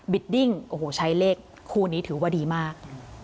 บิดดิ้งใช้เลขคู่นี้ถือว่าดีมาก